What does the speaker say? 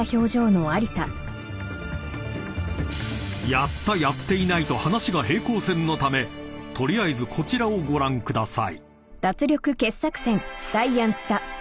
［「やった」「やっていない」と話が平行線のため取りあえずこちらをご覧ください］